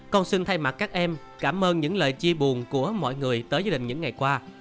con xin thay mặt các em cảm ơn những lời chia buồn của mọi người tới gia đình những ngày qua